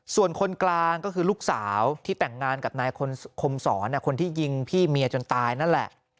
ส่วนคนกลางก็คือลูกสาวที่แต่งงานกับนายคมสอนคนที่ยิงพี่เมียจนตายนั่นแหละ